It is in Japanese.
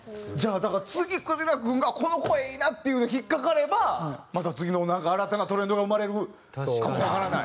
だから次くじら君がこの声いいなっていう引っかかればまた次のなんか新たなトレンドが生まれるかもわからない。